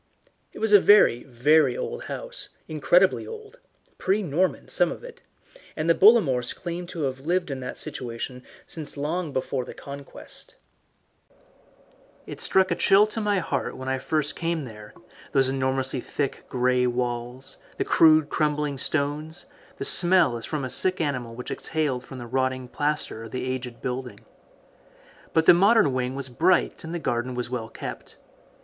It was a very, very old house, incredibly old pre Norman, some of it and the Bollamores claimed to have lived in that situation since long before the Conquest. It struck a chill to my heart when first I came there, those enormously thick grey walls, the rude crumbling stones, the smell as from a sick animal which exhaled from the rotting plaster of the aged building. But the modern wing was bright and the garden was well kept.